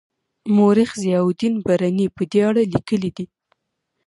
مورخ ضیاالدین برني په دې اړه لیکلي دي.